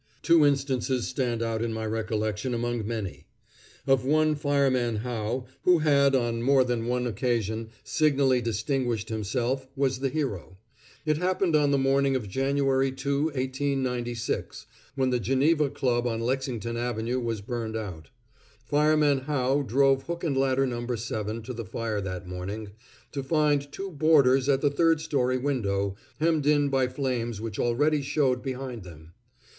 Two instances stand out in my recollection among many. Of one Fireman Howe, who had on more than one occasion signally distinguished himself, was the hero. It happened on the morning of January 2, 1896, when the Geneva Club on Lexington Avenue was burned out. Fireman Howe drove Hook and Ladder No. 7 to the fire that morning, to find two boarders at the third story window, hemmed in by flames which already showed behind them.